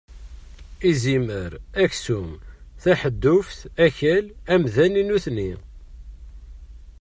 Izimer, aksum, taḥedduft, akal, amdan i nutni.